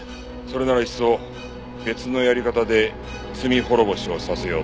それならいっそ別のやり方で罪滅ぼしをさせようと？